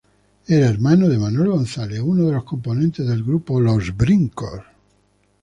Era hermano de Manuel González, uno de los componentes del grupo Los Brincos.